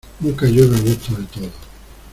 Nunca llueve a gusto de todos.